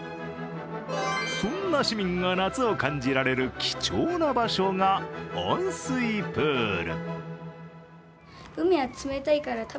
そんな市民が夏を感じられる貴重な場所が温水プール。